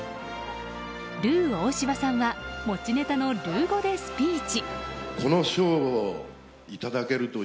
ルー大柴さんは持ちネタのルー語でスピーチ。